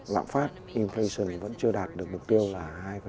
lạm phát infashion vẫn chưa đạt được mục tiêu là hai